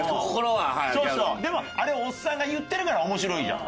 でもあれをおっさんが言ってるから面白いんじゃん。